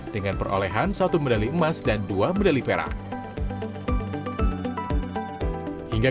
dengan perolehan satu medali emas dan dua medali perak